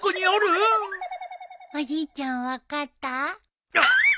おじいちゃん分かった？